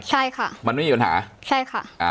ใช่ค่ะมันไม่มีปัญหาใช่ค่ะอ่า